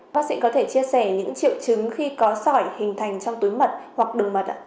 bác sĩ có thể chia sẻ những triệu chứng khi có sỏi hình thành trong túi mật hoặc đường mật ạ